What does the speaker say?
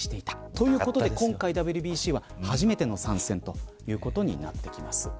ということで、今回ＷＢＣは初めての参戦となっています。